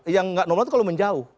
yang nggak normal itu kalau menjauh